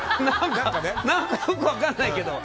何かよく分かんないけど。